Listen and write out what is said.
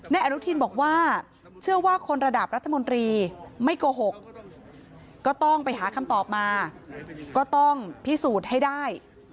อนุทินบอกว่าเชื่อว่าคนระดับรัฐมนตรีไม่โกหกก็ต้องไปหาคำตอบมาก็ต้องพิสูจน์ให้ได้